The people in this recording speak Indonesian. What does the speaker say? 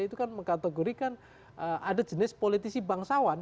itu kan mengkategorikan ada jenis politisi bangsawan